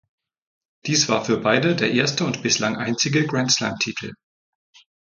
Dies war für beide der erste und bislang einzige Grand-Slam-Titel.